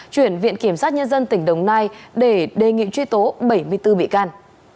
chuyển viện kiểm sát nhân dân tỉnh đồng nai để đề nghị truy tố bảy mươi bốn bị can